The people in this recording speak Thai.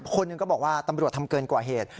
คนหนึ่งก็บอกว่าตำรวจทำเกินกว่าเหตุ